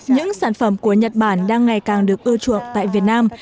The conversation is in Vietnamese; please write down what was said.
những sản phẩm của nhật bản đang ngày càng được ưa chuộng tại việt nam